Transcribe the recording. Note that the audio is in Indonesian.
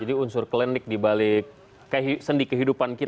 jadi unsur klinik di balik sendi kehidupan kita